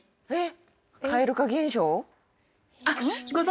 えっ？